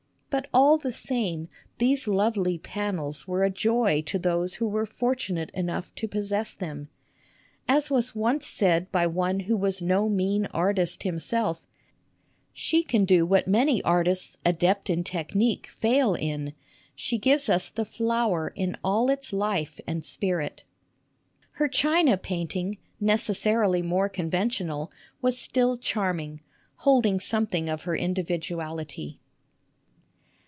But all the same these lovely panels were a joy to those who were fortu nate enough to possess them. As was once said by SUSAN COOLIDGE xiii one who was no mean artist himself, " She can do what many artists adepts in technique fail in. She gives us the flower in all its life and spirit." Her china painting necessarily more conventional was still charming, holding something of her individuality.